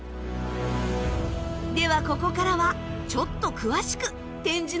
ではここからはちょっと詳しく展示の見方をご紹介。